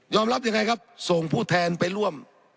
รับยังไงครับส่งผู้แทนไปร่วม